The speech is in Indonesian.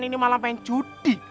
ini malah main judi